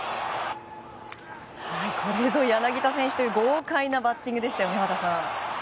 これぞ柳田選手という豪快なバッティングでしたね和田さん。